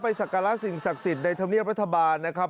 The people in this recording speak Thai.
ไปศักราชสินศักดิ์สินในธรรมเนียมรัฐบาลนะครับ